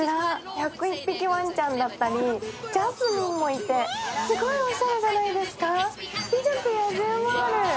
１０１匹ワンちゃんだったりジャスミンもいて、すごいおしゃれじゃないですか、「美女と野獣」もある。